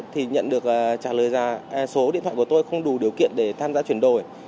thì nhận được trả lời số điện thoại của tôi không đủ điều kiện để tham gia chuyển đổi